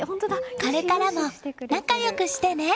これからも仲良くしてね！